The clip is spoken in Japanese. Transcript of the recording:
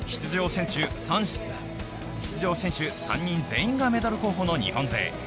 出場選手３人全員がメダル候補の日本勢。